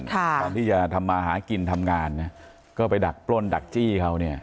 ก่อนที่จะทำมาหากินทำงานนะก็ไปดักปล้นดักจี้เขาเนี่ย